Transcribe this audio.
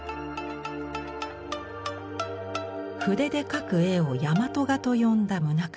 筆で描く絵を「倭画」と呼んだ棟方。